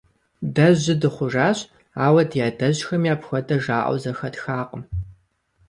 Дэ жьы дыхъужащ, ауэ ди адэжьхэми апхуэдэ жаӀэу зэхэтхакъым.